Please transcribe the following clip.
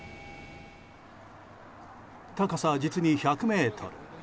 高さは実に１００ｍ。